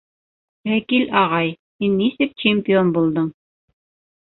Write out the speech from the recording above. — Вәкил ағай, һин нисек чемпион булдың?